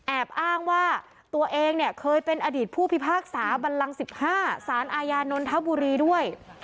อ้างว่าตัวเองเนี่ยเคยเป็นอดีตผู้พิพากษาบันลัง๑๕สารอาญานนทบุรีด้วย